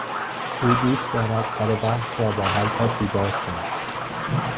او دوست دارد سر بحث را با هر کسی باز کند.